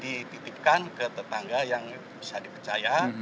dititipkan ke tetangga yang bisa dipercaya